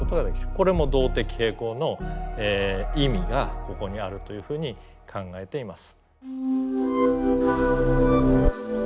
これも動的平衡の意味がここにあるというふうに考えています。